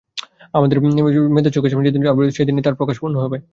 আমাদের মেয়েদের চোখের সামনে যেদিন আবির্ভূত হবেন সেইদিনই তাঁর প্রকাশ পূর্ণ হবে।